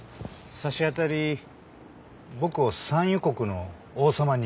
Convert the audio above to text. さしあたり僕を産油国の王様に。